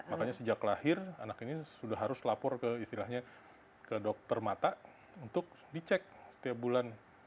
makanya sejak lahir anak ini sudah harus lapor ke istilahnya ke dokter mata untuk dicek setiap bulan